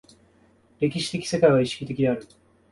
歴史的世界は意識的である。